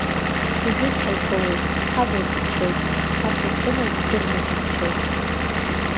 Уажәыгь ҳаиԥылоит, ҳаблақәа ччоит, ҳарҭ урҭ рымаӡа дырны иҳахьчоит.